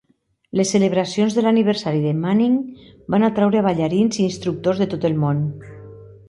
Les celebracions de l"aniversari de Manning van atraure a ballarins i instructors de tot el món.